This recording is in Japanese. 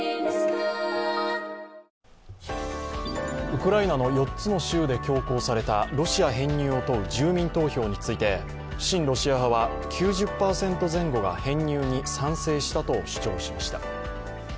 ウクライナの４つの州で強行されたロシア編入を問う住民投票について親ロシア派は９０％前後が編入に賛成したと主張しました。